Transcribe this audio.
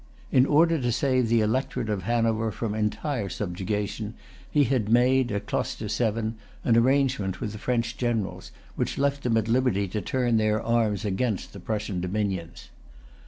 In order to save the electorate of Hanover from entire subjugation, he had made, at Closter Seven, an arrangement with the French generals, which left them at liberty to turn their arms against the Prussian dominions.